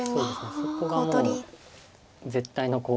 そこがもう絶対のコウ立てです。